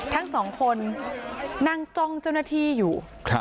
ทั้งสองคนนั่งจ้องเจ้าหน้าที่อยู่